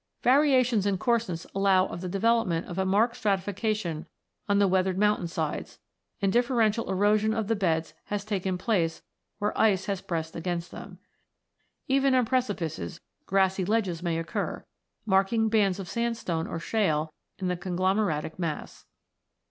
Variations in coarseness allow of the development of a marked stratification on the weathered mountain sides, and differential erosion of the beds has taken place where ice has pressed against them. Even on precipices, grassy ledges may occur, marking bands of sandstone or shale in the conglomeratic mass.